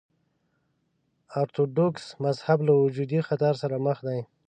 ارتوډوکس مذهب له وجودي خطر سره مخ دی.